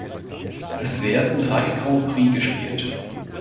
Es werden drei Grand Prix gespielt.